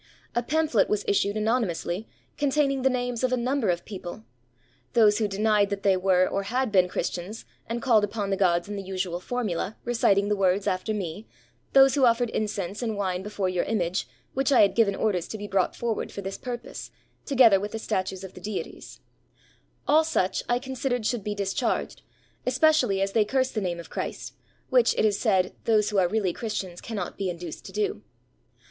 A pamphlet was issued anonymously, containing the names of a number of people. Those who denied that they were or had been Christians and called upon the gods in the usual formula, reciting the words after me, those who offered incense and wine before your image, which I had given orders to be brought forward for this purpose, together with the statues of the deities, — all such I considered should be discharged, especially as they cursed the name of Christ, which, it is said, those who are really Christians cannot 455 ROME be induced to do.